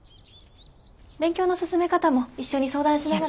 勉強の進め方も一緒に相談しながら。